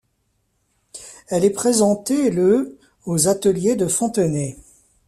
Elle est présentée le aux ateliers de Fontenay.